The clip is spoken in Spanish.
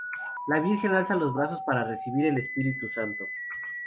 La Virgen alza los brazos para recibir el Espíritu Santo.